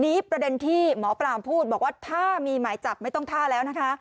ประเด็นที่หมอปลาพูดบอกว่าถ้ามีหมายจับไม่ต้องท่าแล้วนะคะ